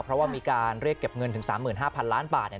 เพราะว่ามีการเรียกเก็บเงินถึง๓๕๐๐๐ล้านบาท